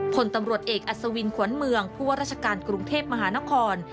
ผลตำรวจเอกอัศวินขวัญเมืองผู้ว่าราชการกรุงเทพมหานคร